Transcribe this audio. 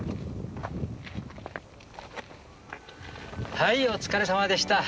はいお疲れさまでした。